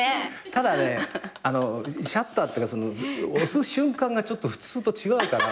ただねシャッター押す瞬間がちょっと普通と違うから。